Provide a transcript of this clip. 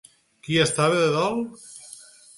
Qui estava de dol?